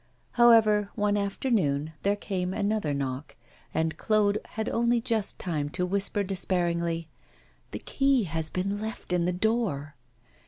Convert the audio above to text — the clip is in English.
However, one afternoon there came another knock, and Claude had only just time to whisper despairingly, 'The key has been left in the door.